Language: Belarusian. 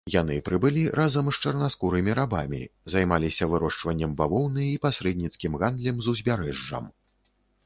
Яны прыбылі разам з чарнаскурымі рабамі, займаліся вырошчваннем бавоўны і пасрэдніцкім гандлем з узбярэжжам.